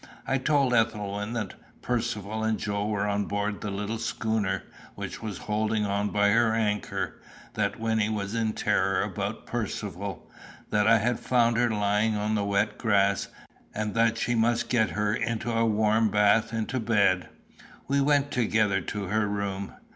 I told Ethelwyn that Percivale and Joe were on board the little schooner, which was holding on by her anchor, that Wynnie was in terror about Percivale, that I had found her lying on the wet grass, and that she must get her into a warm bath and to bed. We went together to her room.